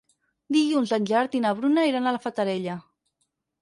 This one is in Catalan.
Dilluns en Gerard i na Bruna iran a la Fatarella.